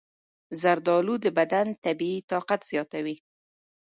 زردآلو د بدن طبیعي طاقت زیاتوي.